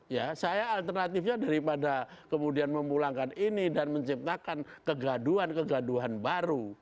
ya saya alternatifnya daripada kemudian memulangkan ini dan menciptakan kegaduhan kegaduhan baru